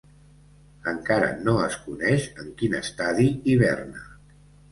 Encara no es coneix en quin estadi hiberna.